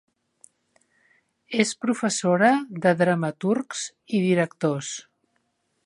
És professora de dramaturgs i directors.